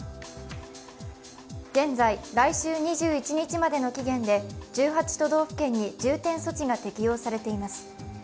現在、来週２１日までの期限で１８都道府県に重点措置が適用されています。